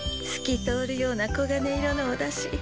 すき通るようなこがね色のおだし。